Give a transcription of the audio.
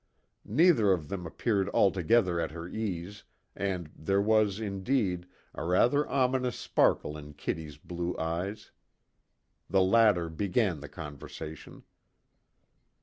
Neither of them appeared altogether at her ease, and there was, indeed, a rather ominous sparkle in Kitty's blue eyes. The latter began the conversation.